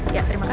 ya terima kasih